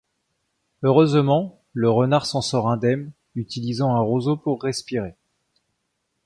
Heureusement, le renard s'en sort indemne, utilisant un roseau pour respirer.